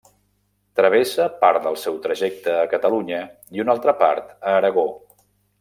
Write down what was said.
Travessa part del seu trajecte a Catalunya i una altra part a Aragó.